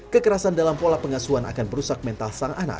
kekerasan dalam pola pengasuhan akan berusak mentah